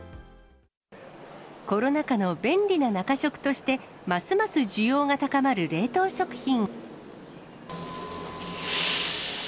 コロナ禍の便利な中食として、ますます需要が高まる冷凍食品。